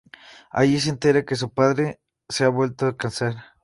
Allí se entera que su padre se ha vuelto a casar.